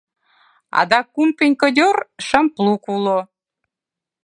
Адак кум пенькодёр, шым плуг уло.